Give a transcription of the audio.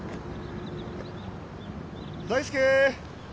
大輔！